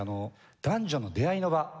男女の出会いの場と。